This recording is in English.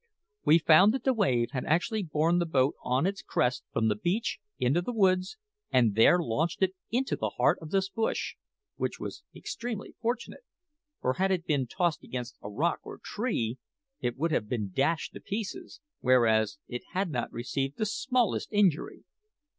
We found that the wave had actually borne the boat on its crest from the beach into the woods, and there launched it into the heart of this bush, which was extremely fortunate; for had it been tossed against a rock or a tree, it would have been dashed to pieces, whereas it had not received the smallest injury.